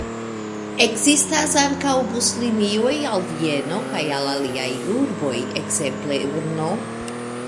Ekzistas ankaŭ buslinioj al Vieno kaj al aliaj urboj, ekzemple Brno.